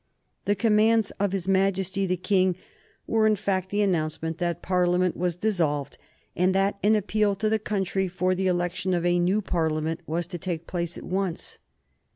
The commands of his Majesty the King were in fact the announcement that Parliament was dissolved, and that an appeal to the country for the election of a new Parliament was to take place at once.